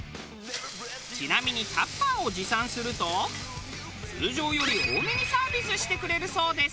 ちなみにタッパーを持参すると通常より多めにサービスしてくれるそうです。